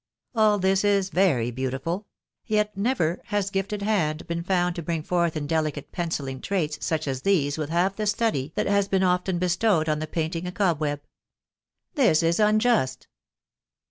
All this is very beautiful! yet never has gifted hand been found to bring forth in delicate pencilling trails such as these with half the study that has been often bestowed on the painting a cob web. This ia unjust.